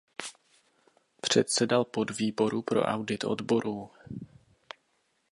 Předsedal podvýboru pro audit odborů.